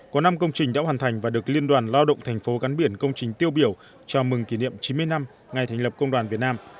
có năm công trình đã hoàn thành và được liên đoàn lao động thành phố gắn biển công trình tiêu biểu chào mừng kỷ niệm chín mươi năm ngày thành lập công đoàn việt nam